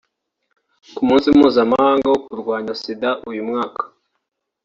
Ku munsi mpuzamahanga wo kurwanya Sida uyu mwaka